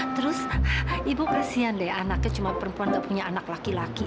terus ibu kasian deh anaknya cuma perempuan gak punya anak laki laki